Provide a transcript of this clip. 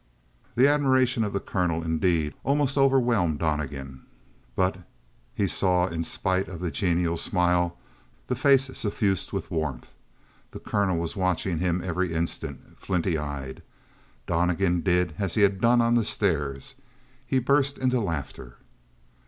The admiration of the colonel, indeed, almost overwhelmed Donnegan, but he saw that in spite of the genial smile, the face suffused with warmth, the colonel was watching him every instant, flinty eyed. Donnegan did as he had done on the stairs; he burst into laughter.